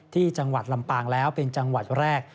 ที่จังหวัดลำปางแล้วเป็นจังหวัดแรก